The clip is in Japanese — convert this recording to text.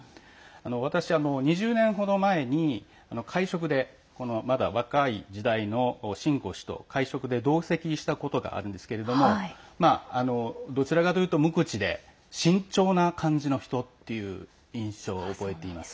私は２０年程前に若い時代の秦剛氏と会食で同席したことがあるんですけどもどちらかというと無口で慎重な感じの人という印象を覚えています。